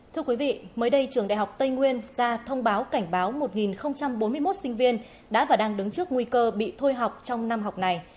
thưa quý vị mới đây trường đại học tây nguyên ra thông báo cảnh báo một bốn mươi một sinh viên đã và đang đứng trước nguy cơ bị thôi học trong năm học này